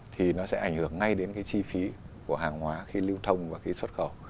thì nó sẽ ảnh hưởng ngay đến cái chi phí của hàng hóa khi lưu thông và khi xuất khẩu